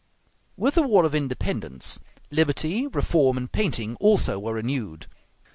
With the war of independence, liberty, reform, and painting also were renewed.